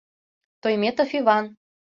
— Тойметов Иван...